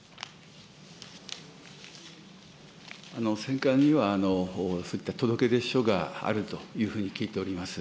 選管にはそういった届出書があるというふうに聞いております。